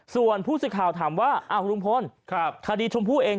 ส่วนผู้สื่อข่าวถามว่าลุงพลคดีชมพู่เอง